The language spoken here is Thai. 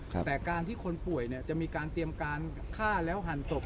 แต่การที่คนป่วยเนี่ยจะมีการเตรียมการฆ่าแล้วหันศพ